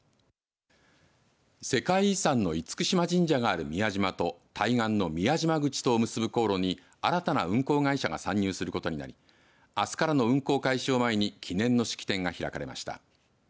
世界遺産の厳島神社がある宮島と対岸の宮島口とを結ぶ航路に新たな運航会社が参入することになりあすからの運航開始を前に記念の式典が開かれました。